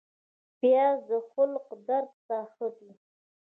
پیاز د حلق درد ته ښه دی